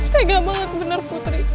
tega banget bener putri